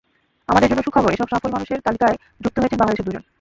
আমাদের জন্য সুখবর, এসব সফল মানুষের তালিকায় যুক্ত হয়েছেন বাংলাদেশের দুজন।